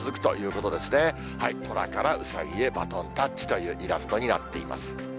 とらからうさぎへバトンタッチというイラストになっています。